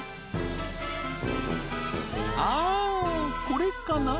これかな？